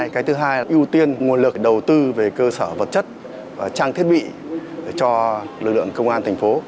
cái thứ hai là ưu tiên nguồn lực đầu tư về cơ sở vật chất trang thiết bị cho lực lượng công an thành phố